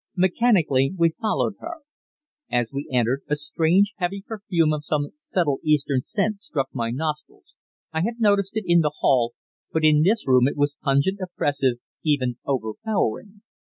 Mechanically we followed her. As we entered, a strange, heavy perfume of some subtle Eastern scent struck my nostrils I had noticed it in the hall, but in this room it was pungent, oppressive, even overpowering.